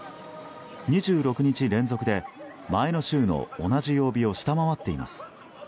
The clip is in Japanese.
２６日連続で前の週の同じ曜日を下回っています。